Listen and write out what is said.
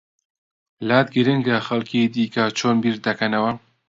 لات گرنگە خەڵکی دیکە چۆن بیر دەکەنەوە؟